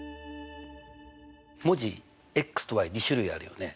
文字と２種類あるよね。